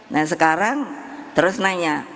nah sekarang terus nanya